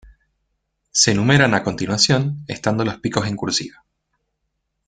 Se enumeran a continuación, estando los picos en cursiva.